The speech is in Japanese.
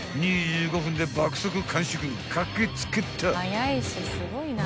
［２５分で爆速完食駆け付けた］